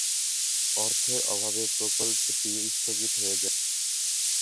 অর্থের অভাবে প্রকল্পটি স্থগিত হয়ে যায়।